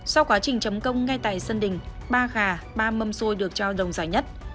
sau quá trình chấm công ngay tại sân đỉnh ba gà ba mâm xôi được trao đồng giải nhất